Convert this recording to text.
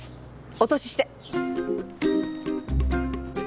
お通しして！